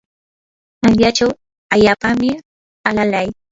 hallqachaw allaapami alalay.